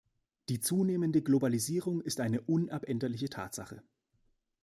Die zunehmende Globalisierung ist eine unabänderliche Tatsache.